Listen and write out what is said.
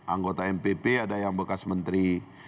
anggota mpp ada yang bekas menteri